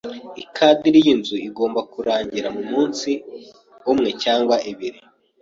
Ikadiri yinzu igomba kurangira mumunsi umwe cyangwa ibiri.